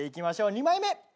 ２枚目。